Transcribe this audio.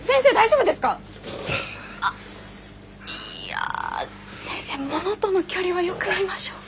いや先生ものとの距離はよく見ましょう。